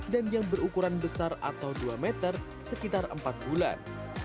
dan yang berukuran besar atau dua meter sekitar empat bulan